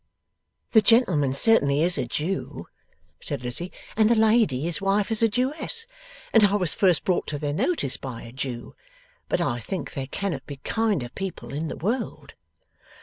') 'The gentleman certainly is a Jew,' said Lizzie, 'and the lady, his wife, is a Jewess, and I was first brought to their notice by a Jew. But I think there cannot be kinder people in the world.